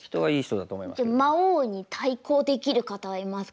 じゃあ魔王に対抗できる方はいますか？